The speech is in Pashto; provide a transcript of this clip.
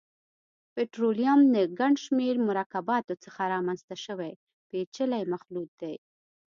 پټرولیم له ګڼشمېر مرکباتو څخه رامنځته شوی پېچلی مخلوط دی.